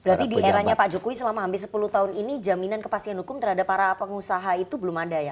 berarti di eranya pak jokowi selama hampir sepuluh tahun ini jaminan kepastian hukum terhadap para pengusaha itu belum ada ya